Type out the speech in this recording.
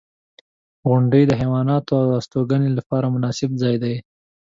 • غونډۍ د حیواناتو د استوګنې لپاره مناسب ځای دی.